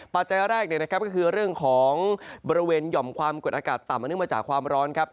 ปัจจัยแรกก็คือเรื่องของบริเวณหย่อมความกดอากาศต่ำมาเนื่องมาจากความร้อนครับ